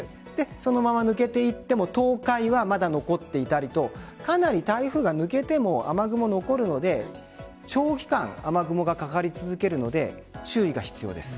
そのまま抜けていっても東海は、まだ残っていたりとかなり台風が抜けても雨雲が残るので長期間、雨雲がかかり続けるので注意が必要です。